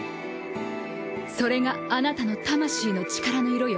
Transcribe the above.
それがあなたの魂の力の色よ。